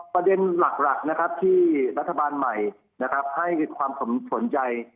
ประเด็นหลักที่รัฐบาลใหม่ให้ความสนใจ